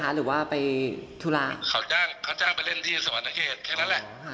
เขาจ้างไปเล่นที่สมัครนักเขตแค่นั้นแหละ